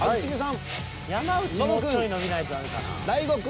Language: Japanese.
もうちょい伸びないとダメかな。